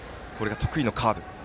得意のカーブ。